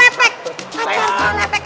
patek saya lepek